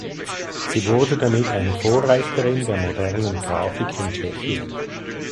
Sie wurde damit eine Vorreiterin der modernen Grafik in Tschechien.